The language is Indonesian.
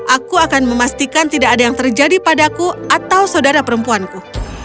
aku akan memastikan tidak ada yang terjadi padaku atau saudara perempuanku